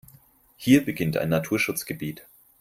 Hier beginnt ein Naturschutzgebiet.